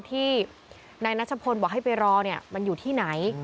ที่นายนัชพลบอกให้ไปรอเนี่ยมันอยู่ที่ไหน